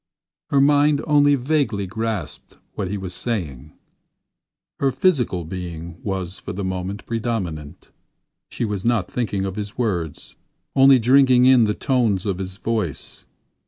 Her mind only vaguely grasped what he was saying. Her physical being was for the moment predominant. She was not thinking of his words, only drinking in the tones of his voice.